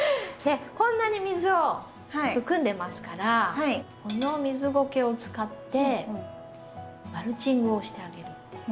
こんなに水を含んでますからこの水ごけを使ってマルチングをしてあげるっていう。